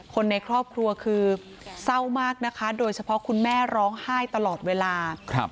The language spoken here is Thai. คนในครอบครัวคือเศร้ามากนะคะโดยเฉพาะคุณแม่ร้องไห้ตลอดเวลา